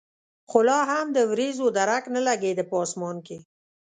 خو لا هم د ورېځو درک نه لګېده په اسمان کې.